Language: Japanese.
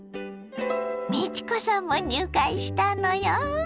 美智子さんも入会したのよ。